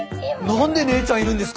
何で姉ちゃんいるんですか！